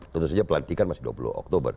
tentu saja pelantikan masih dua puluh oktober